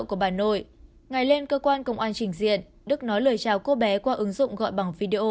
của bà nội ngày lên cơ quan công an trình diện đức nói lời chào cô bé qua ứng dụng gọi bằng video